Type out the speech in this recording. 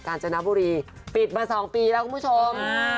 การจนบุรีปิดมา๒ปีแล้วคุณผู้ชม